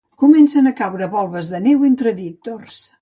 Comencen a caure volves de neu entre víctors.